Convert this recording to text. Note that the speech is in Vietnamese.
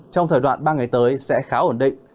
trong thời đoạn ba ngày tới sẽ khá ổn định